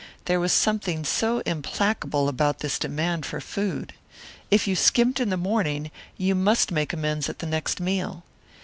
There was something so implacable about this demand for food. If you skimped in the morning you must make amends at the next meal.